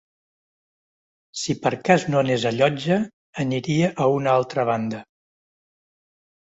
Si per cas no anés a Llotja, aniria a una altra banda